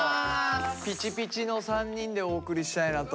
ピチピチの３人でお送りしたいなと。